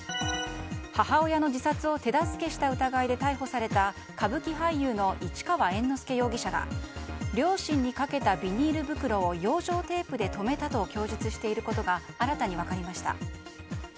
母親の自殺を手助けした疑いで逮捕された歌舞伎俳優の市川猿之助容疑者が両親にかけたビニール袋を養生テープで留めたと供述していることが新たに分かりました。